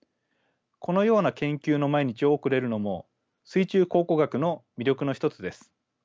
このような研究の毎日を送れるのも水中考古学の魅力の一つです。